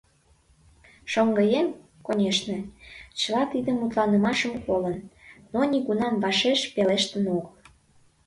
Шоҥгыеҥ, конешне, чыла тиде мутланымашым колын, но нигунам вашеш пелештен огыл.